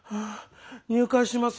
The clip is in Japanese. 入会します。